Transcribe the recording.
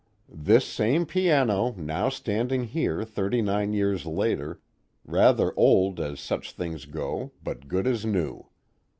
This same piano now standing here thirty nine years later, rather old as such things go but good as new.